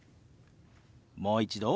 もう一度。